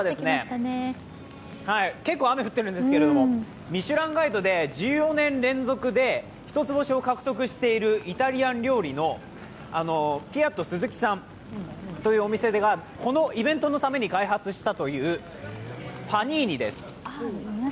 続いては、「ミシュランガイド」で１４年連続で一つ星を獲得しているイタリアン料理のピアットスズキさんというお店がこのイベントのために開発したというパニーニです。